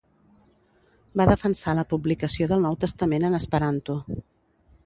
Va defensar la publicació del Nou Testament en esperanto.